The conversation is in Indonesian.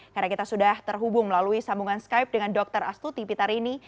karena kita sudah terhubung melalui sambungan skype dengan dr astuti pitarini